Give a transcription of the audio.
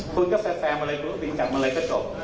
คุณก็แฟมมาเลยกลุ๊ปปินกลับมาเลยก็จบ